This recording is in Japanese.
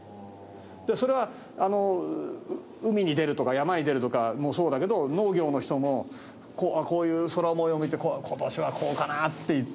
それは海に出るとか山に出るとかもそうだけど農業の人もこういう空模様見て今年はこうかなって言って。